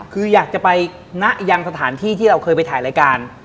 คืออยากจะไปนะยังสถานที่ที่เราเคยไปถ่ายรายการ